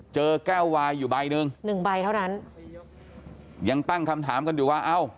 เจอแก้ววายอยู่ใบหนึ่งหนึ่งใบเท่านั้นยังตั้งคำถามกันอยู่ว่าเอ้า